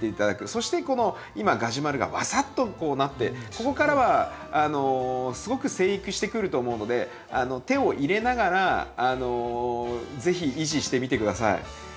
そしてこの今ガジュマルがわさっとこうなってここからはすごく生育してくると思うので手を入れながらぜひ維持してみてください。